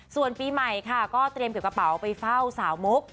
ส่วนปีใหม่ค่ะก็เตรียมเก็บกระเป๋าไปเฝ้าสาวมุก